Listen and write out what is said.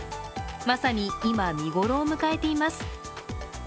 まさに今、見頃を迎えています。